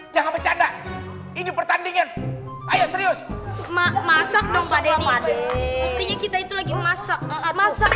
jangan bercanda ini pertandingan ayo serius masak dong pada nge rap kita itu lagi masak masak